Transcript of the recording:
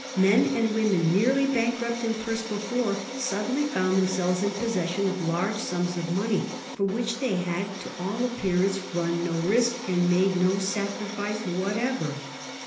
Men and women nearly bankrupt in purse before suddenly found themselyes in possession of large sums of money, for which they had to all appearance run no risk and made no sacrifice whatever.